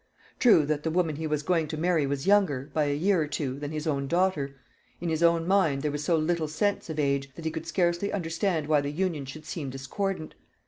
True that the woman he was going to marry was younger, by a year or two, than his own daughter. In his own mind there was so little sense of age, that he could scarcely understand why the union should seem discordant.